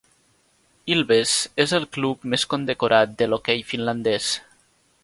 Ilves és el club més condecorat de l'hoquei finlandès.